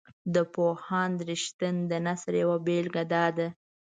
د پوهاند رښتین د نثر یوه بیلګه داده.